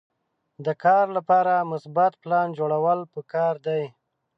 د کار لپاره مثبت پلان جوړول پکار دي.